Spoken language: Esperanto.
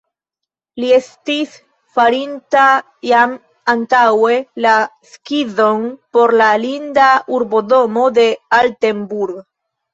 Li estis farinta jam antaŭe la skizon por la linda urbodomo de Altenburg.